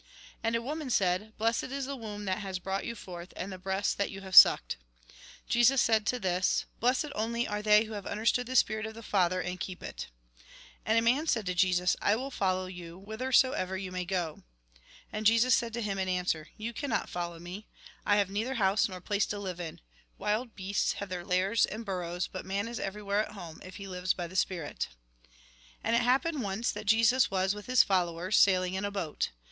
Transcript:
And a woman said :" Blessed is the womb that has brought you forth, and the breasts that you have sucked." Jesus said to this :" Blessea only are they who have understood the spirit of the Father, and keep it." And a man said to Jesus :" I will follow you whithersoever you may go." And Jesus said to him, in answer :" You cannot follow me ; I have neither house nor place to live 7e Lk. viii. 19. Mt. xii. 46. 47. Lk. viii. 21. xi. 27. 28. ix. 67. S8. THE FALSE LIFE 77 Ilk. iv. 35. 40. Lk. ix. 69. 60. in. Wild beasts have their lairs and burrows, but man is everywhere at home, if he lives by the spirit." And it happened once that Jesus was, with his followers, sailing in a boat.